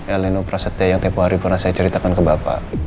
eleno prasetya yang tepuh hari pernah saya ceritakan ke bapak